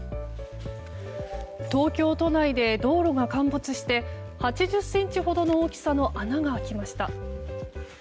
東京都内で道路が陥没して８０ｃｍほどの大きさの穴が開きました。